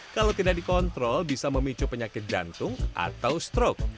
kalau tidak dikontrol bisa memicu penyakit jantung atau strok